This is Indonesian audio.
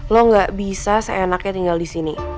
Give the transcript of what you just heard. lo gak bisa seenaknya tinggal disini